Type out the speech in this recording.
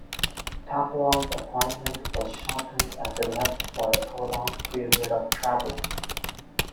Takuan's appointment was shortened as he left for a prolonged period of traveling.